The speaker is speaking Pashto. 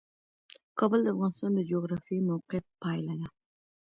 کابل د افغانستان د جغرافیایي موقیعت پایله ده.